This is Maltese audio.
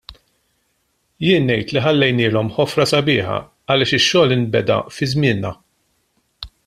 Jien ngħid li ħallejnielhom ħofra sabiħa għaliex ix-xogħol inbeda fi żmienna.